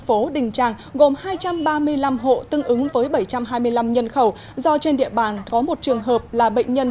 phố đình tràng gồm hai trăm ba mươi năm hộ tương ứng với bảy trăm hai mươi năm nhân khẩu do trên địa bàn có một trường hợp là bệnh nhân